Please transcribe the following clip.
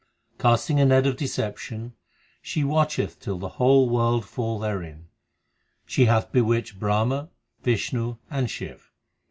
Casting a net of deception she watcheth till the whole world fall therein. She hath bewitched Brahma, Vishnu, and Shiv.